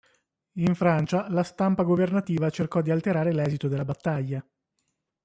In Francia, la stampa governativa cercò di alterare l'esito della battaglia.